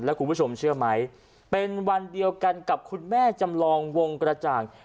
คุณผู้ชมเชื่อไหมเป็นวันเดียวกันกับคุณแม่จำลองวงกระจ่าง